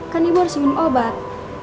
kan ibu harus minum obat